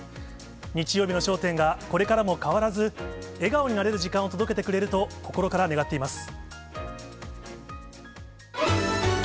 日曜日の笑点がこれからも変わらず、笑顔になれる時間を届けてくれると、心から願っています。